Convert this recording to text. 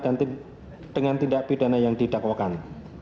dan dengan tindak pidana yang didakwakan